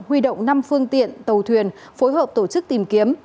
huy động năm phương tiện tàu thuyền phối hợp tổ chức tìm kiếm